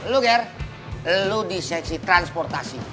lu ger lo di seksi transportasi